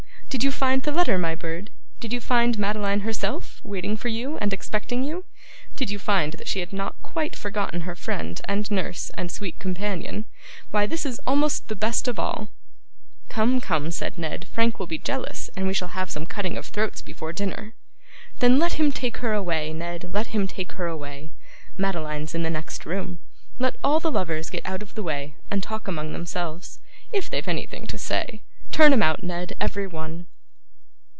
Did you find the letter, my bird? Did you find Madeline herself, waiting for you and expecting you? Did you find that she had not quite forgotten her friend and nurse and sweet companion? Why, this is almost the best of all!' 'Come, come,' said Ned, 'Frank will be jealous, and we shall have some cutting of throats before dinner.' 'Then let him take her away, Ned, let him take her away. Madeline's in the next room. Let all the lovers get out of the way, and talk among themselves, if they've anything to say. Turn 'em out, Ned, every one!